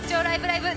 ライブ！」